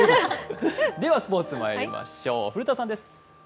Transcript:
ではスポーツまいりましょう、古田さんです。